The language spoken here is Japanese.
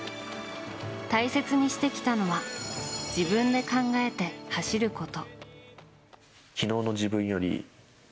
大切にしてきたのは自分で考えて走ること。